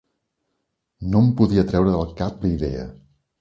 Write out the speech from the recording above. No em podia treure del cap la idea